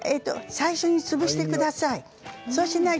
最初に潰してください。